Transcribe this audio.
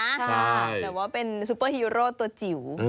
แต่ว่าเป็นซุปเปอร์ฮีโร่ตัวจิ๋ว